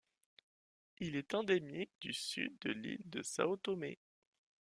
Il est endémique du sud de l'île de São Tomé.